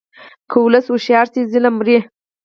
که ولس هوښیار شي، ظلم مري.